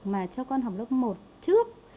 mà cho con học lớp một trước